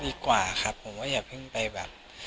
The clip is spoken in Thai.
ดีกว่าครับผมว่าอย่าเพิ่งไปแบบ